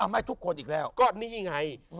ไม่ทุกคนอีกแล้วก็นี่ไง